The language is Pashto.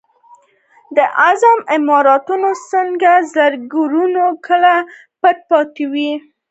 دا عظیم عمارتونه څنګه زرګونه کاله پټ پاتې وو.